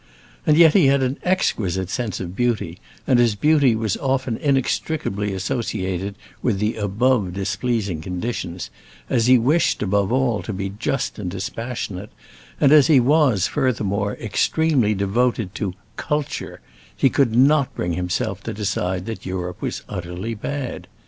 And yet he had an exquisite sense of beauty; and as beauty was often inextricably associated with the above displeasing conditions, as he wished, above all, to be just and dispassionate, and as he was, furthermore, extremely devoted to "culture," he could not bring himself to decide that Europe was utterly bad.